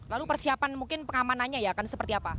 lalu persiapan mungkin pengamanannya ya akan seperti apa